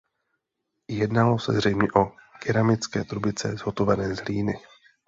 Jednalo se zřejmě o keramické trubice zhotovené z hlíny.